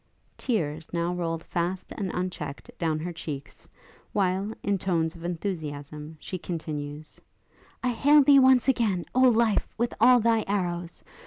Tears now rolled fast and unchecked down her cheeks, while, in tones of enthusiasm, she continued, 'I hail thee once again, oh life! with all thy arrows!